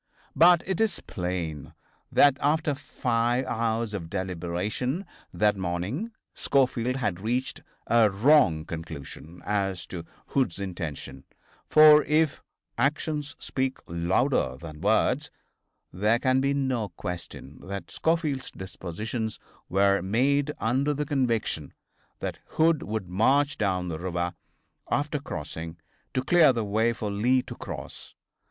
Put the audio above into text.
But it is plain that after five hours' of deliberation that morning Schofield had reached a wrong conclusion as to Hood's intention, for if "Actions speak louder than words," there can be no question that Schofield's dispositions were made under the conviction that Hood would march down the river, after crossing, to clear the way for Lee to cross.